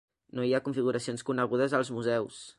No hi ha configuracions conegudes als museus.